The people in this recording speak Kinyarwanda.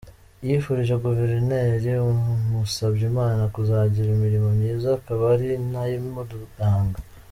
Yifurije Guverineri Musabyimana kuzagira imirimo myiza akaba ari nayo imuranga.